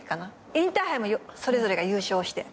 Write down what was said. インターハイもそれぞれが優勝して。